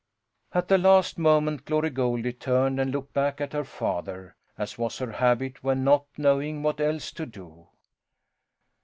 At the last moment Glory Goldie turned and looked back at her father, as was her habit when not knowing what else to do.